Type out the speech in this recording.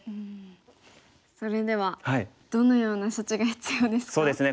それではどのような処置が必要ですか？